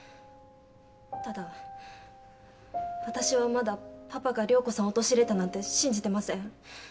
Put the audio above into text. ただ私はまだパパが涼子さんを陥れたなんて信じてません。